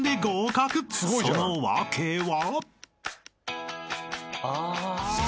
［その訳は？］